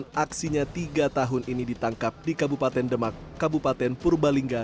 dalam aksinya pelaku mengkombinasikan uang asli dan palsu